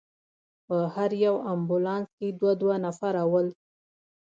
په هر یو امبولانس کې دوه دوه نفره ول.